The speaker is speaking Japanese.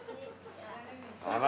あら。